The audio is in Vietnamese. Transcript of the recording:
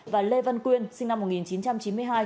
và lê văn quyên sinh năm một nghìn chín trăm chín mươi hai